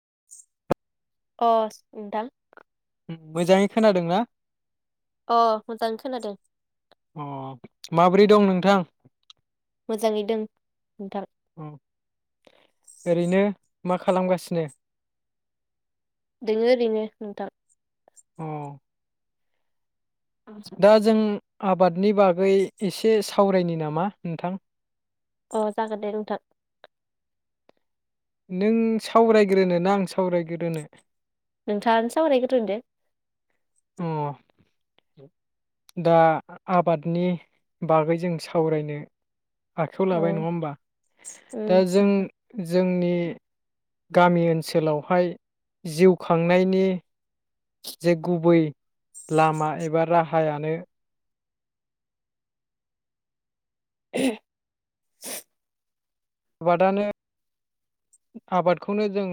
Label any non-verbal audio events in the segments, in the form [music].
[unintelligible] अ नोंथां। ओम मोजाङै खोनादों ना? अ मोजां खोनादों। अह माब्रै दं नोंथां? मोजाङै दों नोंथां। अ ओरैनो मा खालामगासिनो? दङो ओरैनो नोंथां। अह। दा जों आबादनि बागै एसे सावरायनि नामा नोंथां? अ जागोन दे नोंथां। नों सावरायग्रोनोना आं सावरायग्रोनो? नोंथाङानो सावरायग्रोदो। अ दा आबादनि बागै जों सावरायनो आखाइायाव औ लाबाय नङा ओमबा दा उम जों नोंथां जोंनि गामि ओनसोलावहाय जिउ खांनायनि जे गुबै लामा एबा राहायानो [unintelligible] आबादानो आबादखौनो जों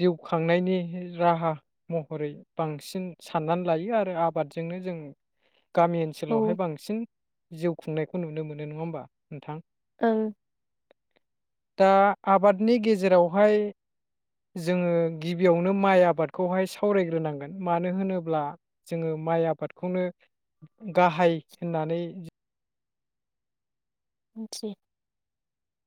जिउ खांनायनि राहा महरै बांसिन साननानै लायो आरो आबादजोंनो जों गामि औ ओनसोलावहाय बांसिन जिउ खुंनायखौ नुनो मोनो नङा ओमबा नोंथां? ओं दा आबादनि गेजे जेरावहाय जोङो गिबियावनो माइ आबादखौहाय सावरायग्रोनांगोन मानो होनोब्ला जोङो माइ आबादखौनो गाहाय होननानै [unintelligible]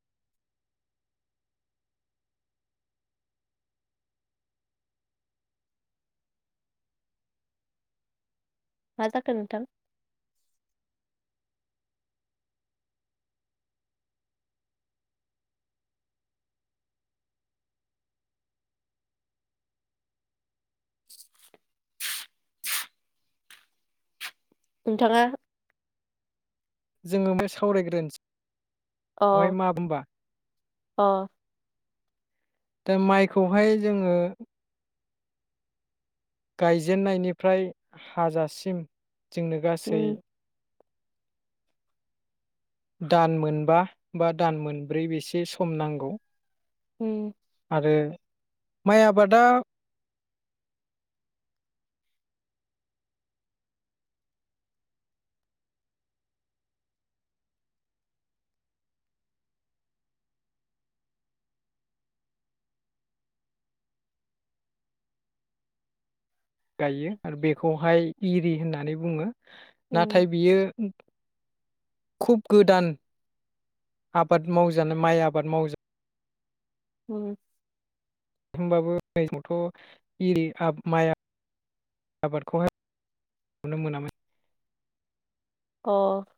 मा जाखो नोंथां? नोंथाङा जोङो बे सावरायग्रोनोसो अ अ दा माइखौहाय जोङो गायजेननायनिफ्राय हाजासिम जोंनो गासै उम दान मोनबा बा दान मोनब्रै बेसे सम नांगौ। उम ओ माइ आबादा गायो आरो बेखौहाय इरि होननानै बुङो। उम नाथाय बियो खुब गोदान आबाद मावजानाय माइ आबाद मावजा उम ओमबाबो [unintelligible] इरि आ माइ आबादखौहाय नुनो मोनामोन। अ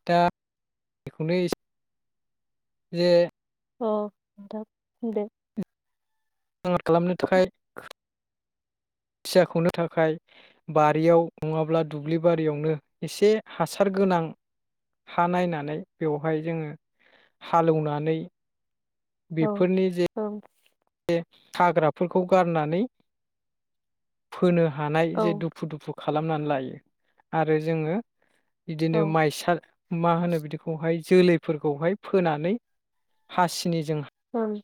दा बेखौनो इस जे अ आदा बुंदो। [unintelligible] खालामनो थाखाय [unintelligible] थाखाय बारियाव नङाब्ला दुब्लि बारियावनो इसे हासार गोनां हा नायनानै बेवहाय जोङो हालोवनानै औ औ। हाग्राफोरखौ गारनानै फोनो हानाय औ जे दुफु दुफु खालामनानैलायो आरो जोङो। इदिनो औ माइसा माहोनो बिदिखौहाय जोलैफोरखौहाय फोनानै हासिनिजों ओं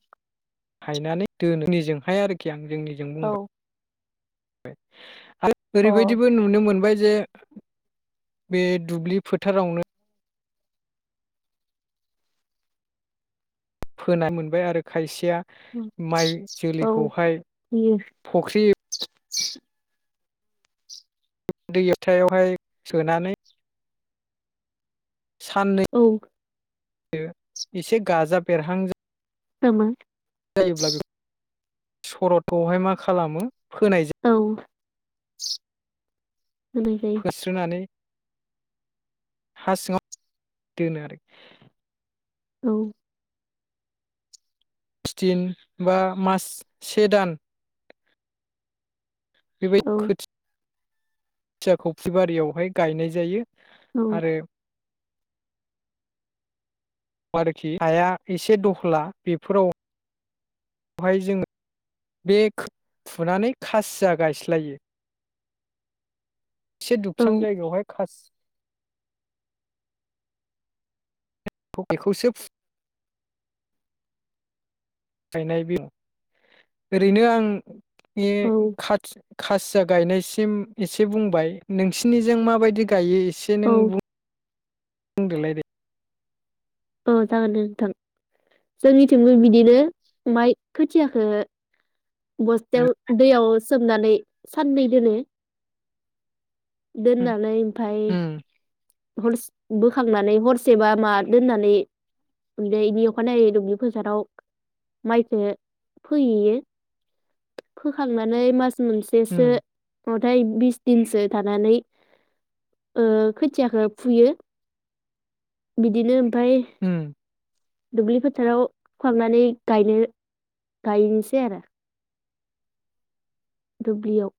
हायनानै [unintelligible] जोंनिजों [unintelligible] औ [inaudible] [unintelligible] अ ओरैबायदिबो नुनो मोनबाय जे, बे दुब्लि फोथारावनो फोना मोनबाय आरो खायसे या उम माइ औ जोलैखौहाय, होयो फख्रि [inaudible] [unintelligible] सोनानै साननै औ [unintelligible] एसे गाजा बेरहां [unintelligible] [unintelligible] जायोब्ला [unintelligible] मा खालामो फोनाय [unintelligible] औ [inaudible] जायो फोस्रोनानै [inaudible] हा सिङाव [unintelligible] औ। [unintelligible] बा मास से दान। बेबाय औ [unintelligible] [unintelligible] बारियावहाय गायनाय जायो। औ आरो आरोखि हाया एसे दख्ला बेफोराव [inaudible] हाय जोङो बे [inaudible] फुनानै खासिया गायस्लायो। से औ दुबसां जायगायावहाय [unintelligible] [unintelligible] बेखौसो [unintelligible] गायनाय बि [inaudible] ओरैनो आं बे औ खाथि खासिया गायनायस [unintelligible] एसे बुंबाय नोंसिनिजों माबायदि गायो? एसे औ नों बुं बुंदोलाय दे। औ जागोन दे नोंथां, जोंनिथिंबो बिदिनो माइ खोथियाखो बस्थाय, दैआव सोमनानै साननै दोनो [inaudible] उम दोननानै फाय उम हरसे बोखांनानै हरसेबा मा दोननानै बेनि अखानायै दुब्लि फोथाराव माइ फोयो फोहैयो फोखांनानै मास मोनसेसो उम अथाय बिस दिनसो थानानै ओ खोथियाखौ फुयो बिदिनो फाय उम दुब्लि फोथाराव थांनानै गायनो गायनोसै आरो दुब्लियाव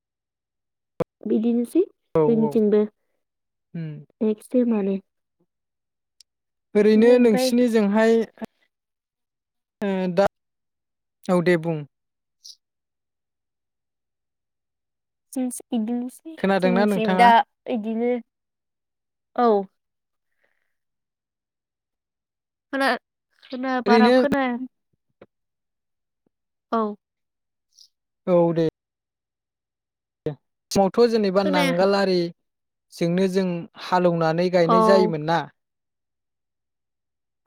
बिदिनो औ जोंनिथिंबो उम एक सेमानो ओरैनो नोंसिनिजोंहाय ओ दा औ दे बुं जोंसो बिदिनोसै जोंनि खोनादोंना थि नोंथाङा दा बिदिनो औ खोना खोना बारा ओरैनो खोनाया औ औ दे दे फुङावथ जेनेबा खोनायाखै नांगालारि जोंनो जों हालेवनानै गायनाय औ जायोमोन ना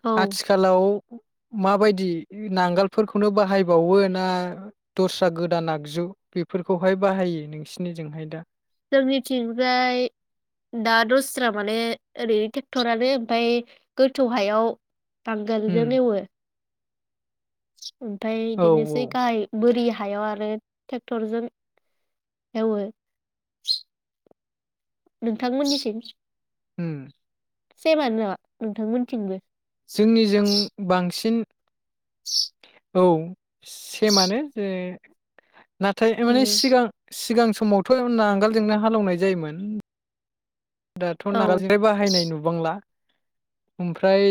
औ आथिखालाव माबायदि नांगोलफोरखौनो बाहायबावो ना दस्रा गोदान आगजु बेफोरखौहाय बाहायो नोंसिनिजोंहाय दा जोंनिथिंजाय दा दस्रा माने ओरै ट्रेक्टरानो ओमफ्राय गोथौ हायाव उम नांगोलजों एवो [inaudible] ओमफ्राय औ बिदिनोसै औ गाहाय बोरि हायाव आरो ट्रेक्टरजों एवो नोंथांमोननिथिं हुम सेमानो नामा नोंथांमोनथिंबो जोंनिजों बांसिन [inaudible] औ सेमानो जे नाथाय माने उम सिगां सिगां समावथ नांगोलजोंनो हालेवनाय जायोमोन दाथ' नांगोल औ जे बाहायनाय नुबांला [unintelligible] ओमफ्राय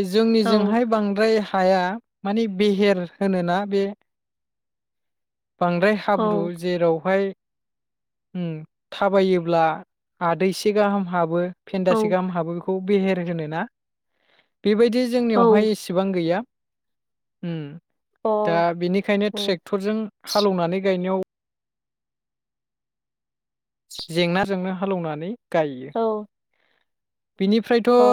औ जोंनिजोंहाय बांद्राय हा हाया माने बेहेर होनोना बे बांद्राय औ हाब्रु जेरावहाय उम थाबायोब्ला आदैसे गाहाम हाबो फेन्दासे औ गाहाम हाबो बेखौ बेहेर होनो ना? बेबायदि औ जोंनियावहाय एसेबां गैया उम दा अ बेनिखायनो उम ट्रेक्टरजों हालौवनानै गायनायाव जेंनाजोंनो हालौवनानै गायो औ बिनिफ्रायथ अ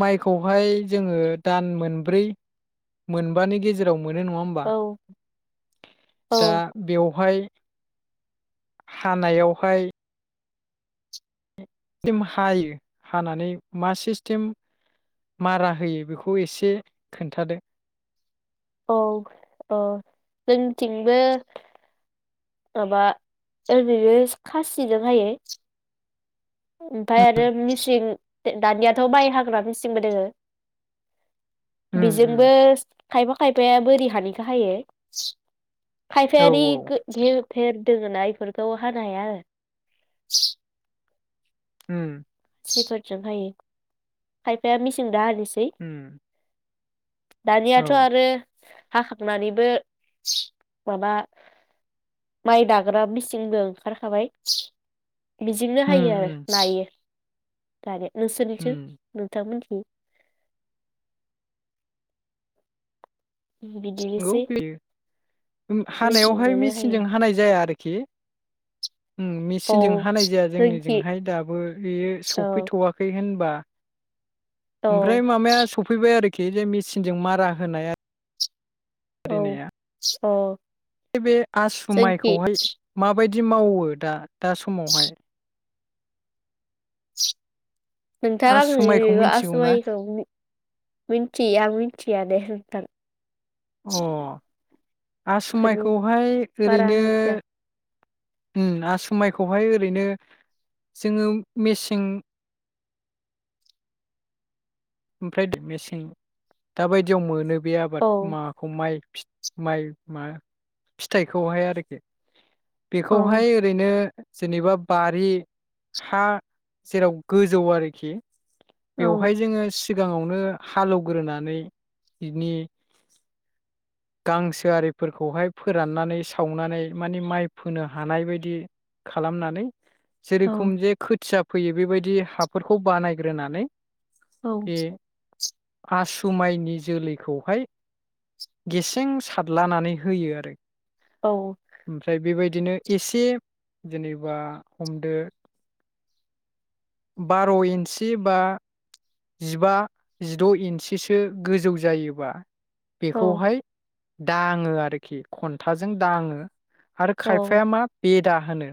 माइखौहाय जोङो दान मोनब्रै मोनबानि गेजेराव मोनो नङा होबा औ दा औ बेवहाय हानायावहाय सिम हायो हानानै मा सिस्टेम मारा होयो बेखौ एसे खोन्थादो औ अ जोंथिंबो माबा ओरैनो खासिजोंहायो ओमफाय आरो मिसिं दानियाथ माइ हाग्रा मिसिंबो दोङो। उम उम बेजोंबो खायफा खायफाया बोरि हानिखाे हायो औ खायफारि गो जि फेर दोङो ना बेफोरखौ हानो हाया आरो उम सिफोरजों हायो खायफाया मेसिं दाे लि होम। दानियाथ' आरो हाखांनानैबो माबा माइ दाग्रा मिसिंबो ओंखारखाबाय। बिदिनो उम हायो आरो उम नायो दारेन नोंसोरनिथिं उम नोंथांमोन [unintelligible] [unintelligible] गौ बिदिनोसै बियो हानायावहाय मेचिनजोंनो हायो मेचिनजों हानाय जाया आरो के उम औ मेचिनजों हानाय जाया जोंखि जोंनिजोंहाय दाबो बेयो औ सफैथ'वाखै होनबा [inaudible] [inaudible] ओमफ्राय औ मामाया सफैबाय आरो खि जे मिचिनजों मारा होनाया औ अ बे आसु जोंखि माइखौहाय माब बायदि मावो दा दा समावहाय नोंथां आङो आसु माइखौ आसु मिथिगौना माइखौ मिन्थिया मिथिया दे [unintelligible] [unintelligible] अ बेफोरनि आसुमाइखौहाय बारा ओरैनो मिथिया उम आसुमाइखौहाय ओरैनो जोङो मेसें ओमफ्राय मेसें दााबायदियाव मोनो बे आबाद औ माखौ माइ माइ मा फिथाइखौहाय आरोखि औ बेखौहाय ओरैनो जेनेबा बारि हा जेराव गोजौ आरोखि औ बेवहाय जोङो [unintelligible] सिगाङावनो हालौवग्रोनानै बिनि गांसोआरिफोरखौहाय फोराननानै सावनानै माने माइ फोनो हानाय बायदि खालामनानै औ जेरुखुम जे खोथिया फैयो बेबायदि हाफोरखौ बानायग्रोनानै औ आसुमायनि जोलैखौहाय गेसें सारलानानै होयो आरो औ ओमफ्राय बेबायदि बिदिनो एसे जेनेबा हमदो बार इन्सि बा जिबा जिदइन्सिसो गोजौ जायोबा औ बेखौहाय दाङो आरोखि खन्थाजों दाङो आरो औ खायफाया मा बेदा हानो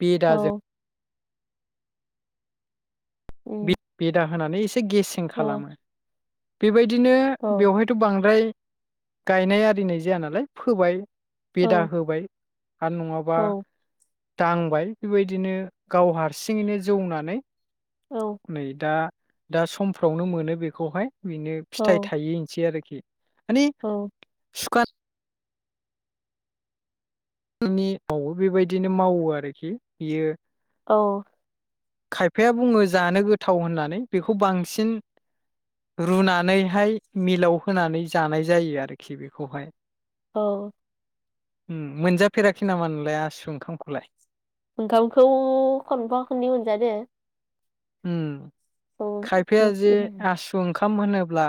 बे दाजों औ उम बि बे दा होनानै एसे गेसें औ खालामो। बेबाय दिनो औ बेवहायथ बांद्राय गायनाय आरिनाय जाया नालाय फोबाय औ बेदा होबाय आरो नङाबा औ दांबाय बेबायदिनो गाव हारसिङैनो जौनानै नै दा दा समफ्रावनो मोनो बेखौहाय। बिनो औ फिथाइ थाहैनोसै आरो खि। माने औ सुखा जोंनिआबो बेबायदिनो मावो आरोखि बियो औ। खायफाया बुङो जानो गोथाव होननानै बेखौ बांसिन रुनानैहाय मिलाव होनानै जानाय जायो आरोखि बेखौहाय। औ। उम मोनजाफेराखै नामा नोंलाय आसु ओंखामखौलाय। ओंखामखौ खनफा खननै मोनजादो। उम औ खायफाया जे मिथियो आसु ओंखाम होनोब्ला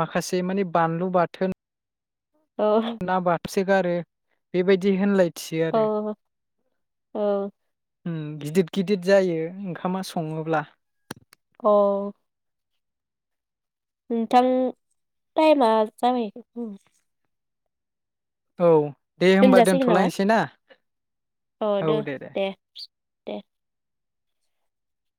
माखासे माने बानलु बाथोन औ। सोगारो बेबायदि होनलाय अ औ। उम गिदिद गिदिद जायो ओंखामा सङोब्ला। अ नोंथां टाइमा जाबाय। औ। दे होमबा दोनथलायसै ना औ दो दे। दे।